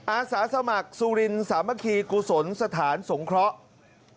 อาสาสมัครสุรินสามัคคีกุศลสถานสงเคราะห์